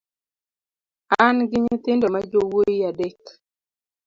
Angi nyithindo ma jowuoi adek.